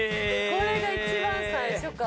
これが一番最初か。